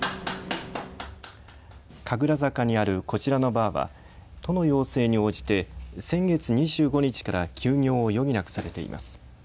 神楽坂にあるこちらのバーは都の要請に応じて先月２５日から休業を余儀なくされています。